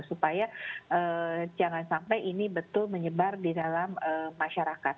supaya jangan sampai ini betul menyebar di dalam masyarakat